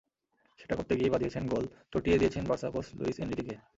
সেটা করতে গিয়েই বাধিয়েছেন গোল, চটিয়ে দিয়েছেন বার্সা কোচ লুইস এনরিকেকে।